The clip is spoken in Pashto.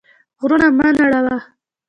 غرونه مه نړوه.